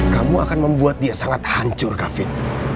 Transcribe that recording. kamu akan membuat dia sangat hancur kafir